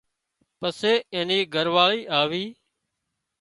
پسي اين نِي گھر واۯي آوي